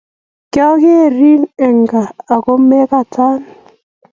Kiakeren en gaa ako mekatan